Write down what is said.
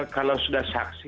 kalau sudah saksi